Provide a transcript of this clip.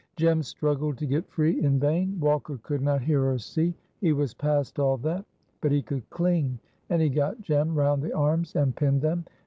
Jem struggled to get free in vain. Walker could not hear or see, he was past all that; but he could cling, and he got Jem round the arms and pinned them.